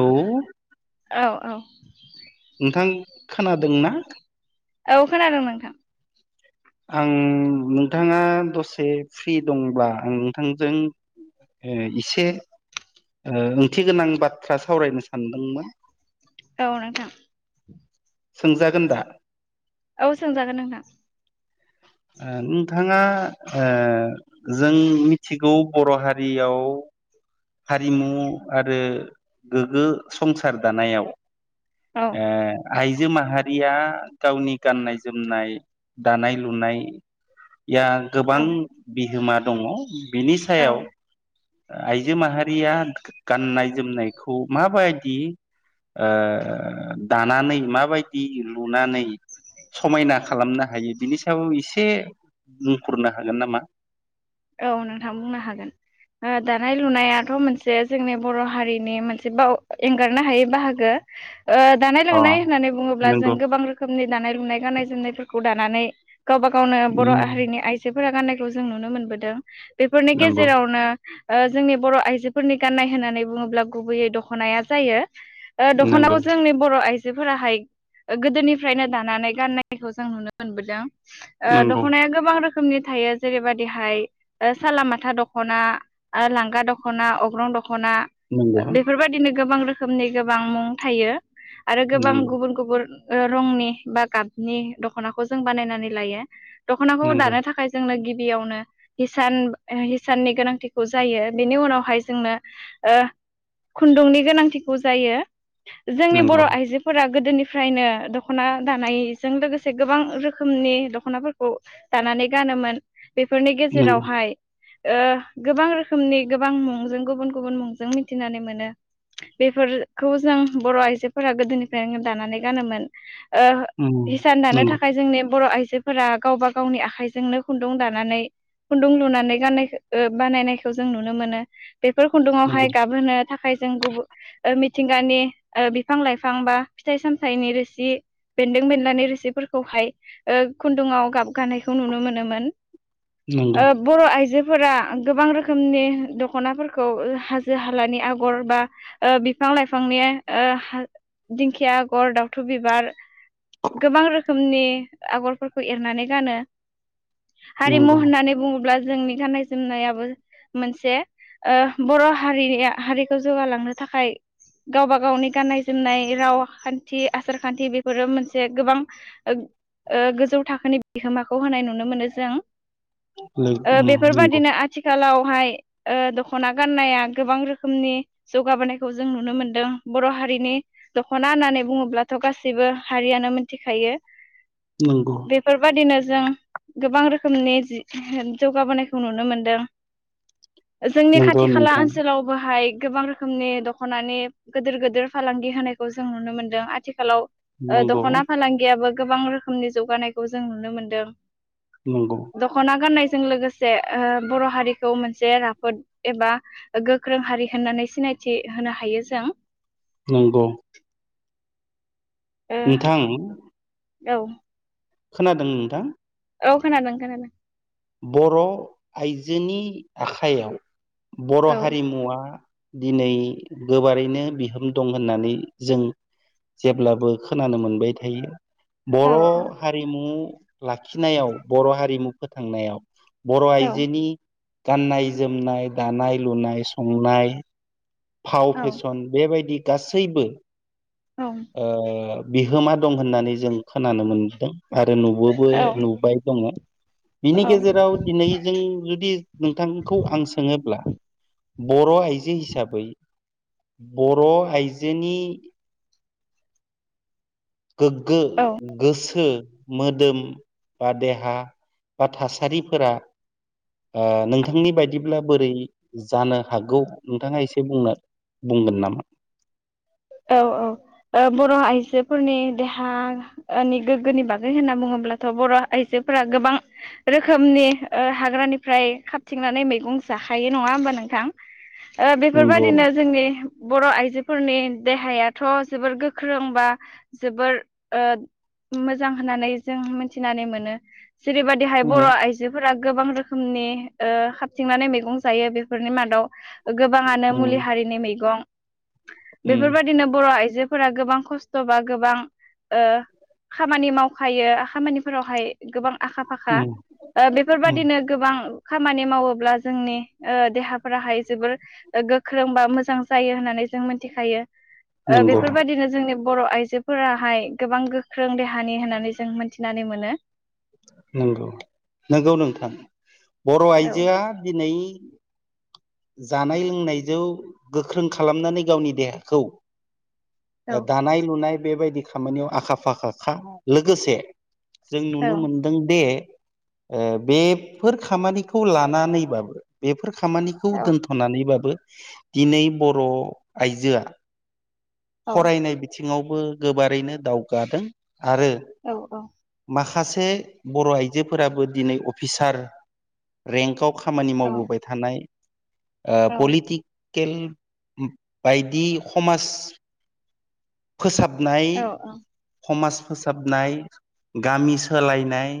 औ औ औ। नोंथां खोनादोंना? औ खोनादों नोंथां। आं नोंथाङा दसे फ्रि दंब्ला आं नोंथांजों इसे ओंथि गोनां बाथ्रा सावरायनो सानदोंमोन औ नोंथां सोंजागोन दा औ सोंजागोन नोंथां [unintelligible] थाङा जों मिथिगौ बर' हारियाव हारिमु आरो गोग्गो संसार दानायाव औ आय- इजो माहारिया गावनि गाननाय जोमनाय दानाय लुनाय जिया गोबां औ बिहोमा दङ बिनि औ सायाव आइजो माहारिया गाननाय जोमनायखौ माबायदि ओ दानानै माबायदि लुनानै समायना खालामनो हायो बिनि सायाव इसे बुंफुरनो हागोन नामा औ नोंथां बुंनो हागोन दानाय लुनायाथ' मोनसे जोंनि बर' हारिनि मोनसे बाव एंगारनो हायै बाहागो दानाय अ लुनाय होननानै बुङोब्ला नंगौ जों गोबां रोखोमनि दानाय लुनाय गाननाय जोमनायफोरखौ दानानै गावबा गावनो बर' हारिनि आइजोफोरा गाननायखौ जों नुनो मोनबोदों बेफोरनि नंगौ गेजेरावनो जोंनि बर' आइजोफोरनि गाननाय होननानै बुङोब्ला गुबैयै दख'नाया जायो दख'नाखौ नंगौ जोंनि बर' आइ जोफोराहाय गोदोनिफ्रायनो दानानै गाननायखौ जों नुनो मोनबोदों नंगौ दख'नाया गोबां रोखोमनि थायो जेरैबादिहाय सालामाथा दखना ख'ना आरो लांगा दख'ना अग्रं दख'ना नंगौ बेफोरबायदिनो गोबां रोखो- मनि गोबां मुं थायो आरो गोबां नंगौ गुबुन गुबुन रंनि बा गाबनि दख'नाखौ जों बानायनानै लायो दख'नाखौ दानो नंगौ थाखाय जोंनो गिबियावनो इसान हिसाननि गोनांथिखौ जायो। बिनि उनावहाय जोंनो ओ खुन्दुंनि गोनांथिखौ जायो। नंगौ जोंनि बर' आइजोफोरा गोदोनि फ्रायनो दख'ना दानायजों लोगोसे गोबां रोखोमनि दख'नाफोरखौ दानानै गान नोमोन बेफोरनि नंगौ गेजेरावहाय ओ गोबां रोखोमनि गोबां मुंजों गुबुन गुबुन मुंजों मिथिनानै मोनो। बेफोरखौ जों बर' आइजोफोरा गोदोनिफ्रायनो दानानै गानोमोन। ओ हिसान दानो नंगौ थाखाय जोंनि बर' आइजो जोफोरा गावबा गावनि आखाइजोंनो खुन्दुं दानानै खुन्दुं लुनानै गाननायखो बानायनायखौ जों नुनो मोनो। बेफोर खुन्दुङावहाय गाबहोनो थाखाय जों गुबु ओ मि थिंगानि ओ बिफां लाइफां बा फिथाइ सामथाइनि रोसि बेन्दों बेनलानि रोसिफोरखौहाय ओ खुन्दुुंआव गाबगानायखौ नुनो मोनोमोन। नंगौ ओ बर' आइजो फोरा गोबां रोखोमनि दख'नाफोरखौ हाजो हालानि आगर बा ओ बिफां लाइफांनि ओ हा दिंखिया आगर दावथु बिबार गोबां रोखोमनि आगरफोरखौ एरनानै गानो। हारिमु नंगौ। होननानै बुङोब्ला जोंनि गाननाय जोमनायाबो मोनसे ओ बर' हारिनि हारिखौ जौगालांनो थाखाय गावबा गावनि गाननाय जोमनाय रावखान्थि आसार खान्थि बेफोरो मोनसे गोबां ओ ओ गोजौ थाखोनि बिहोमाखौ होनाय नुनो मोनो जों। ओ बेफोरबादिनो आथिखालाव हाय ओ दख'ना गाननाया गोबां रोखोमनि जौगाबोनायखौ जों नुनो मोनदों। बर' हा रिनि दख'ना होननानै बुङोब्लाथ' गासिबो हारियानो मिथिखायो। बेफोरबायदिनो जों गोबां रोखोमनि जि जौगाबोनायखौ नुनो मोनदों। जोंनि नंगौ नंगौ खाथि खाला नोंथां ओनसोलाव बोहाय गोबां रोखोमनि दख'नानि गोदोर गोदोर फालांगि होनायखौ जों नुनो मोनदों। आथिखालाव ओ नंगौ दख'ना फालांगियाबो गोबां रोखोमनि जौगानायखौ जों नुनो मोनदों। नंगौ। दख'ना गाननायजों लोगोसे ओ बर' हारिखौ मोनसे राफोद एबा गोख्रों हारि होननानै सिनायथि होनो हायो जों। नंगौ नोंथां औ। खोनादों नोंथां? औ खोनादों खोनादों। बर' आइजोनि आखाइयाव बर' औ हारिमुवा दिनै गोबारैनो बिहोम दं होननानै जों जेब्लाबो खोनानो मोनबाय थायो। औ बर' औ हारिमु लाखिनायाव बर' हारिमु फोथांनायाव बर' औ आइजोनि गाननाय जोमनाय दानाय लुनाय संनाय फाव औ फेसन बेबायदि गासैबो औ ओ बिहोमा दं होननानै जों खोनानो मोनदों। आरो नुबोबो नुबाय दङो। बिनि गेजेराव दिनै जों जुदि नोंथांखौ आं सोङोब्ला बर' आइजो हिसाबै बर' आइजोनि गोग्गो औ गोसो मोदोम बा देहा बा थासारिफोरा ओ नोंथांनि बायदिब्ला बोरै जानो हागौ नोंथाङा एसे बुंनो बुंगोन नामा? औ औ। ओ बर' आइजोफोरनि देहा नि गोग्गोनि बागै होनना बुङोब्लाथ' बर' आइजो फोरा गोबां रोखोमनि ओ हाग्रानिफ्राय खाबथिंनानै मैगं जाखायो नङा होमबा नों नोंथां ओ नंगौ बेफोरबायदिनो जोंनि बर' आइजोफोरनि देहायाथ' जोबोर गोख्रों बा जोबोर ओ मोजां होननानै जों मिथिनानै मोनो जेरैबायदिहाय उम बर' आइजोफोरा गोबां रोखोमनि ओ हाबथिंनानै मैगं जायो बेफोरनि मादाव गोबाङानो मुलि उम हारिनि मैगं उम बेफोरबायदिनो बर' आइजोफोरा गोबां खस्थ' बा गोबां ओ खामानि मावखायो खामानिफोरावहाय गोबां आखा फाखा उम ओ उम बेफोरबायदिनो गोबां खामानि मावोब्ला जोंनि ओ देहाफोराहाय जोबोर ओ गोख्रों बा मोजां जायो होननानै जों मि मिखायो ओ नंगौ बेफोरबायदिनो जोंनि बर' आइजोफोराहाय गोबां गोख्रों देहानि होननानै जों मोनथिनानै मोनो नंगौ नंगौ नोंथां बर' औ आइजोआ दिनै जानाय लोंनायजों गोख्रों खालामनानै गावनि देहाखौ औ दानाय लुनाय बेबायदि खामानियाव आखा फाखाखा लोगोसे जों औ नुनो मोनदों दे ओ बेफोर खामानिखौ लानानैबाबो बेफोर खामानि खौ औ दोनथ'नानैबाबो दिनै बर' आइजोआ औ फरायनाय बिथिङावबो गोबारैनो दावगादों आरो औ माखासे से बर' आइजोफोराबो दिनै अफिसार रेंकआव खामानि औ मावबोबाय थानाय ओ औ पलिथि खेल बायदि समाज फोसाब नाय औ नाय समाज फोसाबनाय गामि सोलायनाय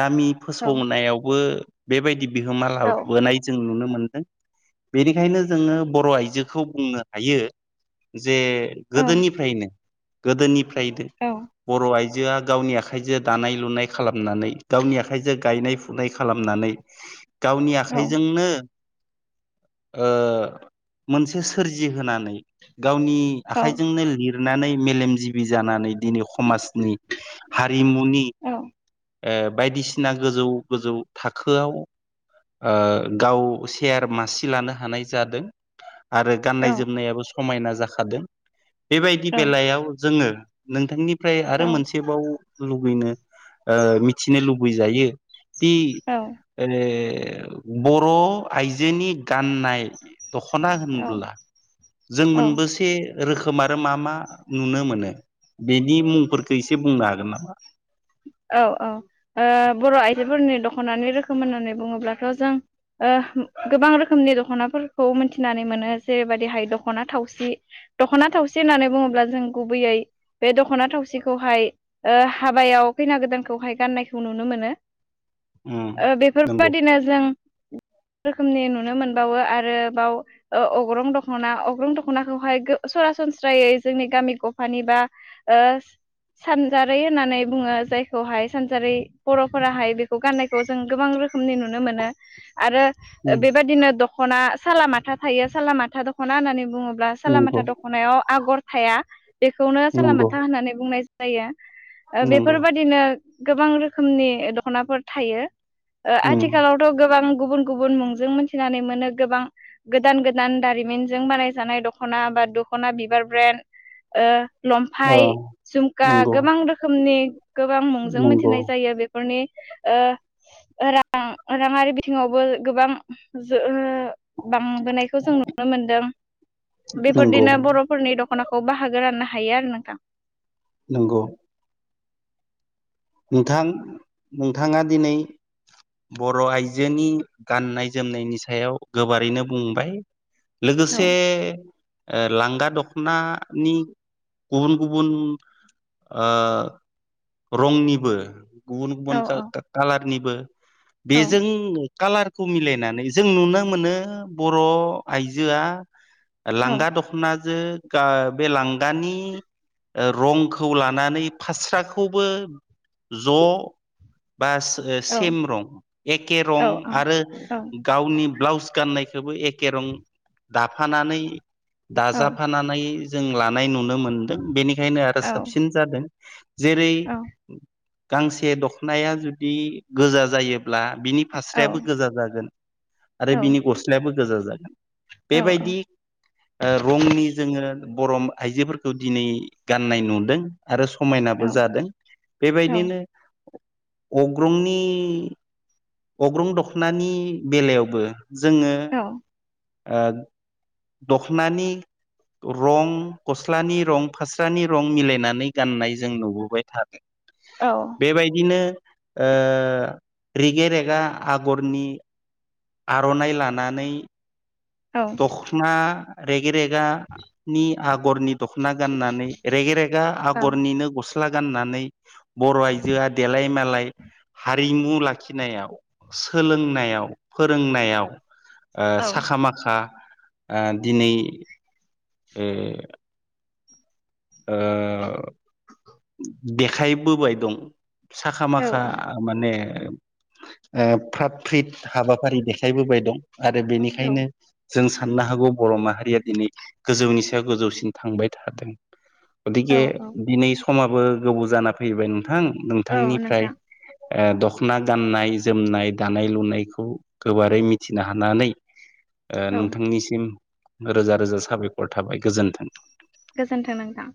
गामि औ फोसावनायावबो बेबायदि बिहोमा औ लाबोनाय जों नुनो मोनदों। बेनिखायनो जोङो बर' आइजोखौ बुंनो हायो जे औ गोदोनिफ्रायनो गोदोनिफ्रायनो औ औ बर' आइजोआ गावनि आखाइ आखाइजों दानाय लुनाय खालामनानै गावनि आखाइजों गायनाय फुनाय खालामनानै गावनि आखाइजोंनो ओ मोनसे सोरजिहोनानै गावनि आखाइजोंनो लिरनानै मेलेमजिबि जानानै दिनै समाजनि हारिमुनि ओ बायदिसिना गोजौ गोजौ थाखोआव ओ गाव केयार मासि लानो हानाय जादों आरो गाननाय जोमनायाबो समायना जाखादों बेबायदि बेलायाव जोङो नोंथांनिफ्राय आरो मोनसेबाव लुबैनो ओ मिथिनो लुबैजायो दि औ ओ बर' आइजोनि गाननाय दख'ना औ होनब्ला जों औ मोनबसे रोख खोम आरो मा मा नुनो मोनो बेनि मुंफोरखौ एसे बुंनो हागोन नामा? औ औ औ बर' आइजोफोरनि दख'नानि रोखोम होननानै बुङोब्लाथ' जों ओ गोबां रोखोमनि दख'नाफोरखौ मिथिनानै मोनो जेरैबायदिहाय दख'ना थावसि दख'ना थावसि होननानै बुङोब्ला जों गुबैयै बे दख'ना थावसिखौहाय हाबायाव खैना गोदानखौहाय गाननायखौ नुनो मोनो उम नंगौ बेफोरबादिनो जों [inaudible] रोखोमनि नुनो मोनबावो आरो बाव अग्रं दख'ना अग्रं दख'नाखौहाय सरासनस्रा सरासनस्रायै जोंनि गामि गफानि बा ओ सानजारै होननानै बुङो। जायखौहाय सानजारि बर'फोराहाय बेखौ गाननायखौ जों गोबां रोखोमनि नुनो मोनो आरो बेबायदिनो दख'ना सालालामाथा थायो सालालामाथा दख'ना होननानै बुङोब्ला नंगौ सालालामाथा दख'नायाव आगर थाया बेखौनो नंगौ सालालामाथा होननानै बुंनाय जायो। ओ नंगौ। बेफोरबायदिनो गोबां रोखोमनि दख'नाफोर थायो उम आथिखालावथ' गोबां गुबुन गुबुन मुंजों मिथिनानै मोनो गोबां गोदान गोदान दारिमिनजों बानायजानाय दख'ना बा दख'ना बिबार ब्रेन। ओ लंफाय जुमखा नंगौ गोबां रोखोणमनि गोबां मुंजों नंगौ मिथिनाय जायो बेफोरनि ओ रां राङारि बिथिङावबो गोबां बांबोनायखौ जों नुनो मोनदों नंगौ बेफोरदिनो बर'फोरनि दख खनाखौ बाहागो राननो हायो आरो नोंथां। नोंगौ नोंथां नोंथाङा दिनै बर' आइजोनि गाननाय जोमनायनि सायाव गोबारैनो बुंबाय। औ लोगोसे लांगा दख'नानि गुबुन गुबुन ओ रंनि गुबुन औ गुबुन कालारनिबो औ बेजों कालारखौ मिलायनानै जों नुनो मोनो बर' आइजोआ लांगा दख'नाजों बे लांगानि रंखौ लानानै फास्राखौबो ज' बा औ सेम रं एखे रं आरो औ गावनि ब्लाउस गाननायखौबो एखे रं दाफानानै औ दाजाफानानै जों लानाय नुनो मोनदों बेनिखायनो आरो साबसिन जादों। जेरै गांसे दख'नाया जुदि गोजा जायोब्ला। बिनि औ फास्रायाबो गोजा जागोन आरो औ बिनि गस्लायाबो गोजा जागोन। औ औ बेबायदि ओ रंनि जोङो बर' आइजोफोरखौ दिनै गाननाय नुदों आरो समायनाबो औ जादों औ बेबायदिनो अग्रंनि अग्रं दख'नानि बेलायावबो जोङो औ ओ दखनानि रं गस्लानि रं फास्रानि रं मिलायनानै गाननाय जों नुबोबाय थादो औ बेबायदिनो ओ रिगे रेगा आगरनि आर'नाइ लानानै औ दखना रे- गे रेगानि आगरनि दख'ना गाननानै रेग रेगा औ आगरनिनो ग- स्ला गाननानै बर' आइजोआ देलाय मालाय हारिमु लाखिनायाव सोलोंनायाव फोरोंनायाव ओ औ साखा माखा ओ दिनै ए ओ देखायबोबाय दं साखा माखा माने ओ फ्रात फ्रि हाबाफारि देखायबोबाय दं आरो औ बेनिखायनो जों साननो हागौ बर' माहारिया दिनै गोजौनि सायाव गोजौसिन थांबाय थादों औ गथिखे दिनै समाबो गोबाव जाना फैबाय नोंथां औ नोंथांनिफ्राय नोंथां ओ दख'ना गाननाय जोमनाय दानाय लुनायखौ गोबारै मिथिनो हानानै ओ औ नोंथांनिसिम रोजा रोजा साबायखर थाबाय गोजोन्थों गोजोन्थों नोंथां